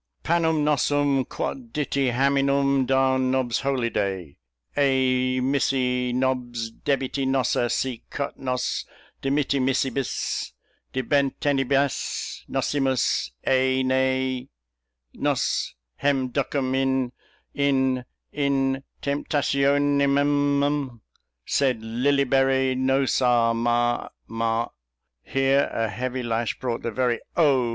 "Pannum nossum quotditty hamminum da nobs holyday, e missy nobs debitty nossa si cut nos demittimissibus debetenibas nossimus e, ne, nos hem duckam in, in, in temptationemum, sed lillibery nos a ma ma " Here a heavy lash brought the very Oh!